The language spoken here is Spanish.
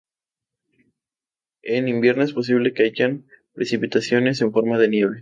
En invierno es posible que hayan precipitaciones en forma de nieve.